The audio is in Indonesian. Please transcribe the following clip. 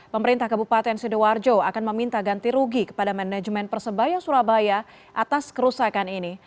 pemerintah kabupaten sidoarjo akan meminta ganti rugi kepada manajemen persebaya surabaya atas kerusakan ini